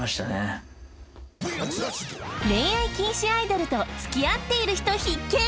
恋愛禁止アイドルと付き合っている人必見！